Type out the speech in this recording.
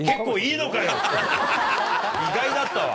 意外だったわ。